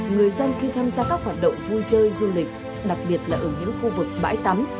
người dân khi tham gia các hoạt động vui chơi du lịch đặc biệt là ở những khu vực bãi tắm